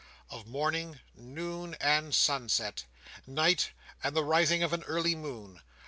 Of morning, noon, and sunset; night, and the rising of an early moon.